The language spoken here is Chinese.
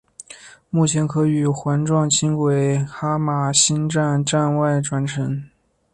目前可与环状轻轨哈玛星站站外转乘。